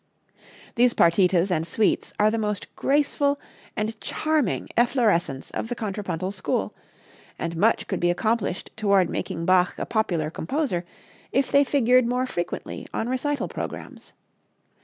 These partitas and suites are the most graceful and charming efflorescence of the contrapuntal school, and much could be accomplished toward making Bach a popular composer if they figured more frequently on recital programs.